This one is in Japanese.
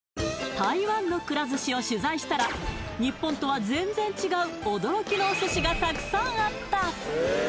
台湾のくら寿司を取材したら日本とは全然違う驚きのお寿司がたくさんあった